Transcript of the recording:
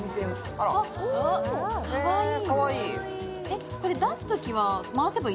えかわいい！